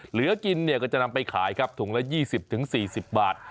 เหลือกินก็จะนำไปขายครับถุงละ๒๐ถึง๔๐บาท